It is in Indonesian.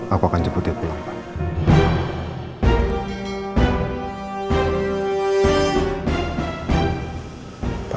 aku akan jemput dia pulang pak